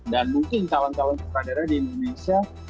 dan mungkin kawan teman surat surat daerah di indonesia